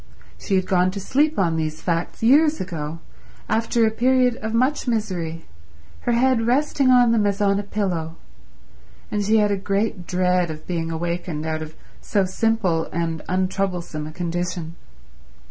She had gone to sleep on these facts years ago, after a period of much misery, her head resting on them as on a pillow; and she had a great dread of being awakened out of so simple and untroublesome a condition.